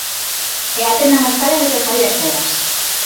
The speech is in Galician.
E atendan as palabras de Javier Tebas.